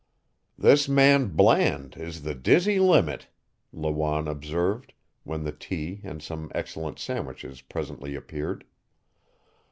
"This man Bland is the dizzy limit," Lawanne observed, when the tea and some excellent sandwiches presently appeared.